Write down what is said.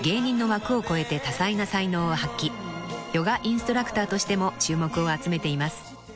［ヨガインストラクターとしても注目を集めています］